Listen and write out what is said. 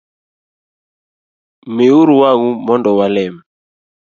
Miuru wang’ u mondo walem